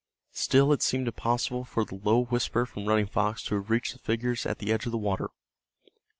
Still it seemed impossible for the low whisper from Running Fox to have reached the figures at the edge of the water.